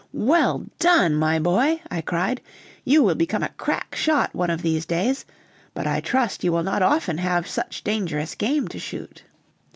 "Well done, my boy," I cried, "you will become a crack shot one of these days; but I trust you will not often have such dangerous game to shoot."